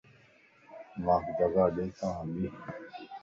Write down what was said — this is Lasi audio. مانک جگاڏيت آن ٻين